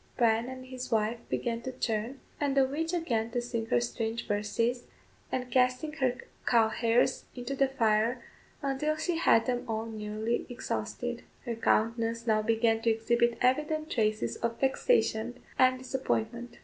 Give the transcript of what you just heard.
Bryan and his wife began to churn, and the witch again to sing her strange verses, and casting her cow hairs into the fire until she had them all nearly exhausted. Her countenance now began to exhibit evident traces of vexation and disappointment.